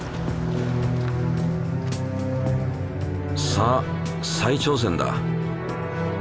さあ再挑戦だ。